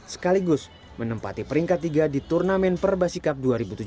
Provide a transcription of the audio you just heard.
sekaligus menempati peringkat tiga di turnamen perbasikap dua ribu tujuh belas